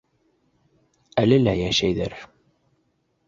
Әле лә йәшәйҙәр.